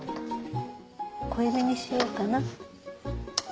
濃いめにしようかな。